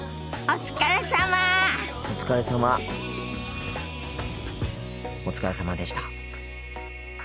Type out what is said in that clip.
お疲れさまでした。